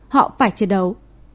họ phải chiến đấu